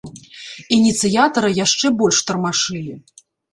Ініцыятара яшчэ больш тармашылі.